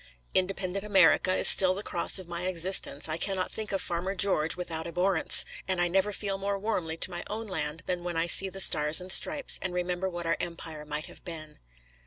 Independent America is still the cross of my existence; I cannot think of Farmer George without abhorrence; and I never feel more warmly to my own land than when I see the Stars and Stripes, and remember what our empire might have been.